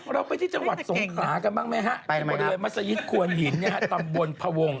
เราไปที่จังหวัดสงขรากันบ้างไหมฮะที่หมดเลยมัศยิคควรหินเนี่ยฮะตำบลพวง